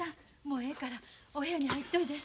もうええからお部屋に入っといで。